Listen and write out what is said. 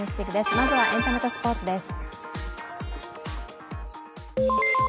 まずはエンタメとスポーツです。